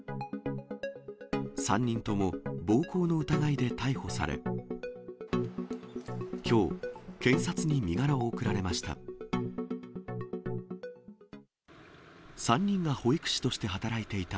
３人とも暴行の疑いで逮捕され、きょう、検察に身柄を送られました。